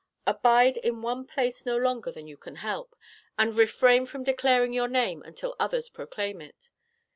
Abide in one place no longer than you can help, and refrain from declaring your name until others proclaim it.